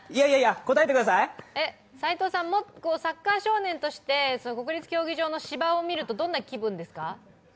齋藤さん、元サッカー少年として国立競技場の芝を見ると、どんな気分ですか？